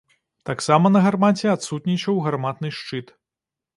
Таксама на гармаце адсутнічаў гарматны шчыт.